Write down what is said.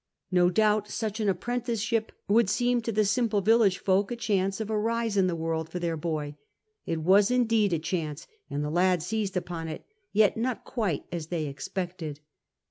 No doubt such an apprenticesliip would seem to the simple village folk a chance of a rise in the world for their boy. It was indeed a chance, and the lad seized upon it. Yet not quite as they expected.